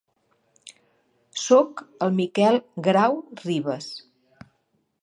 Soc el Miquel Grau Ribas.